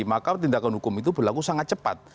maka tindakan hukum itu berlaku sangat cepat